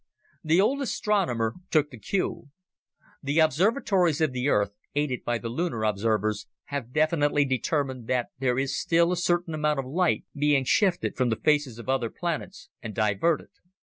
The old astronomer took the cue. "The observatories of the Earth, aided by the lunar observers, have definitely determined that there is still a certain amount of light being shifted from the faces of other planets and diverted.